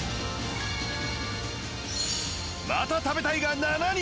「また食べたい」が７人！